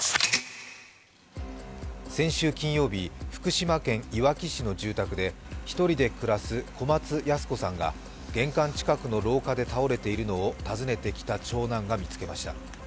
先週金曜日、福島県いわき市の住宅で１人で暮らす小松ヤス子さんが玄関近くの廊下で倒れているのを訪ねてきた長男が見つけました。